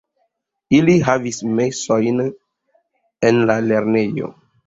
Ili havis mesojn en la lernejo.